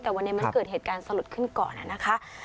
แต่วันนี้มันเกิดเหตุการณ์สลดขึ้นก่อนนะคะ